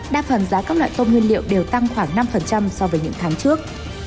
đa phần giá các loại tôm nguyên liệu đều tăng khoảng năm so với những tháng trước